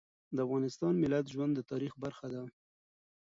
د افغانستان د ملت ژوند د تاریخ برخه ده.